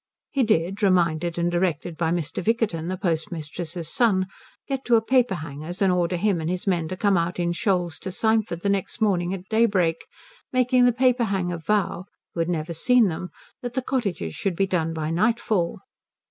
He did, reminded and directed by Mr. Vickerton, the postmistress's son, get to a paperhanger's and order him and his men to come out in shoals to Symford the next morning at daybreak, making the paperhanger vow, who had never seen them, that the cottages should be done by nightfall.